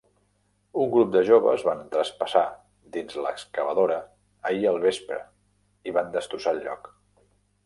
Un grup de joves van traspassar dins l'excavadora ahir al vespre i van destrossar el lloc.